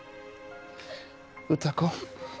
歌子。